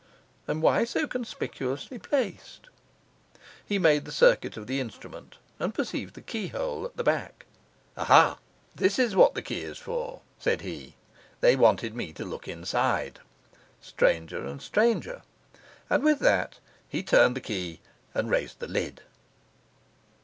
And why so conspicuously placed?' He made the circuit of the instrument, and perceived the keyhole at the back. 'Aha! this is what the key is for,' said he. 'They wanted me to look inside. Stranger and stranger.' And with that he turned the key and raised the lid.